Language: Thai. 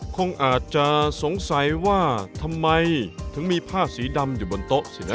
คงอาจจะสงสัยว่าทำไมถึงมีผ้าสีดำอยู่บนโต๊ะสินะ